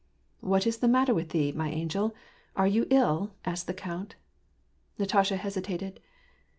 " What is the matter with thee, my angel ? Are you ill ?'* asked the count. Natasha hesitated.